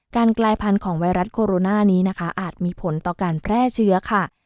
กลายพันธุ์ของไวรัสโคโรนานี้นะคะอาจมีผลต่อการแพร่เชื้อค่ะ